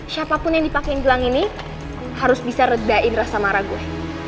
siapapun yang dipakaiin gelang ini harus bisa redain rasa marah gue